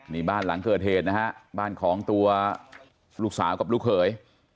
นี่บ้านหลังเกิดเหตุนะฮะบ้านของตัวลูกสาวกับลูกเขย